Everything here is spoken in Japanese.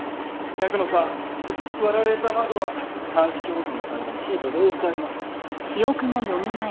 百野さん割られた窓は鑑識保存のためにシートで覆ってあります。